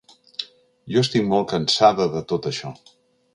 Jo estic molt cansada de tot això.